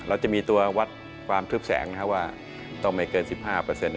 แล้วจะมีตัววัดความทึบแสงว่าต้องไม่เกิน๑๕เปอร์เซ็นต์